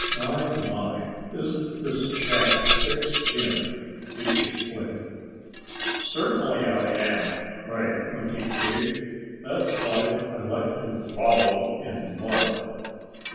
"My! My! Isn't this chap thick skinned?" he exclaimed. "Certainly I am!" cried Grunty Pig. "That's why I like to wallow in mud."